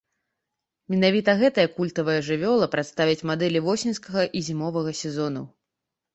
Менавіта гэтая культавая жывёла прадставіць мадэлі восеньскага і зімовага сезонаў.